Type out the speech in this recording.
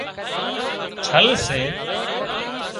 ڇل سي